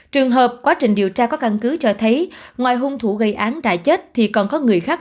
trường hợp quá trình điều tra có căn cứ cho thấy ngoài hung thủ gây án đã chết thì còn có người khác